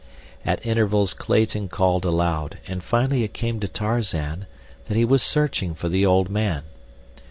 At intervals Clayton called aloud and finally it came to Tarzan that he was searching for the old man.